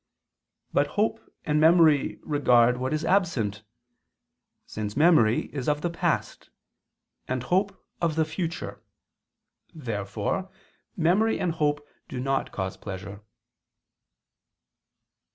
But hope and memory regard what is absent: since memory is of the past, and hope of the future. Therefore memory and hope do not cause pleasure.